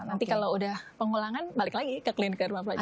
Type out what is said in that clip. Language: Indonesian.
nanti kalau udah pengulangan balik lagi ke klinik darumapro jakarta ya